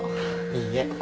いいえ。